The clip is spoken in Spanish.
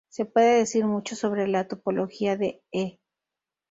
Se puede decir mucho sobre la topología de "E".